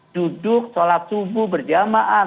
duduk sholat subuh berjamaah